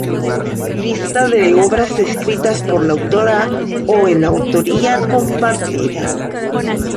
Lista de obras escritas por la autora o en autoría compartida